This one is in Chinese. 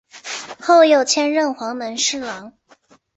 后又迁任黄门侍郎。